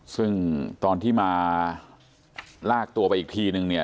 ซึ่งตอนที่มาลากตัวไปอีกทีนึงเนี่ย